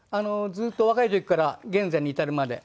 ずっと若い時から現在に至るまで。